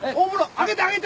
上げて上げて！